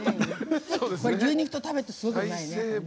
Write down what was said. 牛肉と食べるとすごくうまいね。